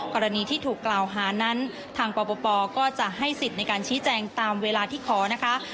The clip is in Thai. กรณีที่ถูกกล่าวหานั้นทางปปก็จะให้สิทธิ์ในการชี้แจงตามเวลาที่ขอนะคะ